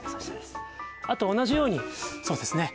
あと同じようにそうですね